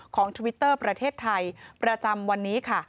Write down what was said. ทวิตเตอร์ประเทศไทยประจำวันนี้ค่ะ